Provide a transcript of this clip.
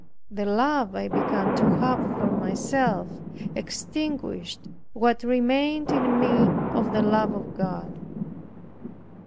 The love I began to have for myself extinguished what remained in me of the love of God.